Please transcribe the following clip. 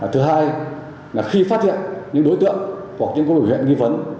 thứ hai khi phát hiện những đối tượng hoặc những cơ hội huyện nghi vấn